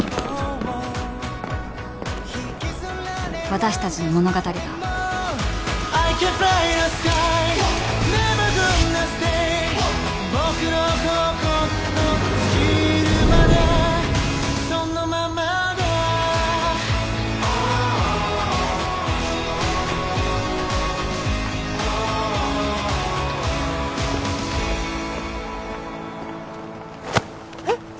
私たちの物語だえっ！？